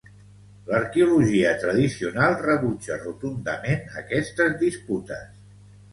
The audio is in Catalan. L'arqueologia tradicional rebutja rotundament aquestes disputes.